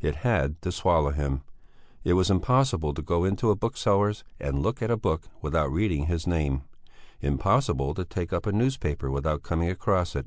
It had to swallow him. It was impossible to go into a bookseller's and look at a book without reading his name; impossible to take up a newspaper without coming across it.